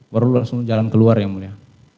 baru langsung jalan keluar yang mulia